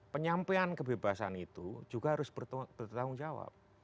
penyampaian kebebasan itu juga harus bertanggung jawab